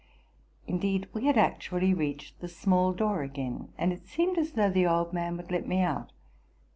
Indeed, we had ac tually reached the small door again, and it seemed as though the old man would let me out.